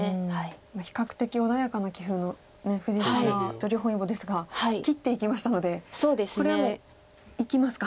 比較的穏やかな棋風の藤沢女流本因坊ですが切っていきましたのでこれはもういきますか。